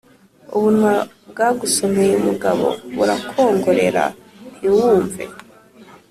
ubunwa bwagusomeye umugabo burakwongorera ntiwumve.